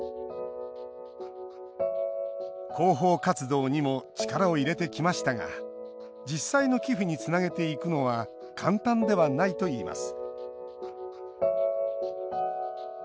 広報活動にも力を入れてきましたが実際の寄付につなげていくのは簡単ではないといいます